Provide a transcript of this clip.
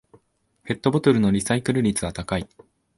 ペットボトルのリサイクル率は高い